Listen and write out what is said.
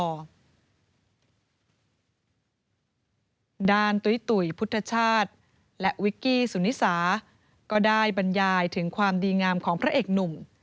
ตุ้ยตุ๋ยพุทธชาติและวิกกี้สุนิสาก็ได้บรรยายถึงความดีงามของพระเอกหนุ่ม